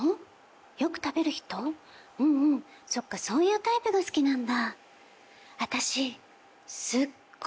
うんうんそっかそういうタイプが好きなんだ。